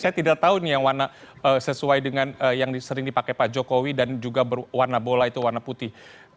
saya tidak tahu nih yang warna sesuai dengan yang sering dipakai pak jokowi dan juga berwarna bola itu warna putih